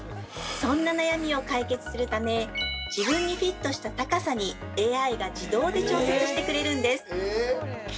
そんな悩みを解決するため自分にフィットした高さにＡＩが自動で調節してくれるんです。